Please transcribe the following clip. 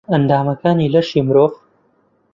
ئەندامەکانی لەشی مرۆڤ